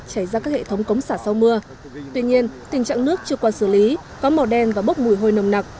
chảy ra các hệ thống cống xả sau mưa tuy nhiên tình trạng nước chưa qua xử lý có màu đen và bốc mùi hôi nồng nặc